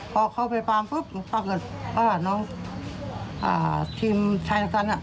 พอเข้าไปปามปรากฏว่าน้องทีมชายละกัน